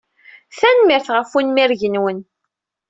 Tanemmirt ɣef unmireg-nwen.